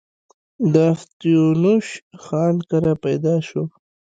د افتينوش خان کره پيدا شو